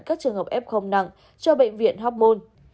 các trường hợp f nặng cho bệnh viện hóc môn